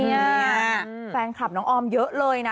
นี่แฟนคลับน้องออมเยอะเลยนะ